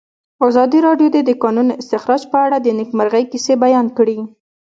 ازادي راډیو د د کانونو استخراج په اړه د نېکمرغۍ کیسې بیان کړې.